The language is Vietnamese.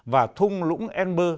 và thung lũng enber